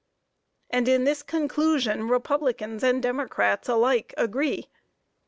And in this conclusion Republicans and Democrats alike agree.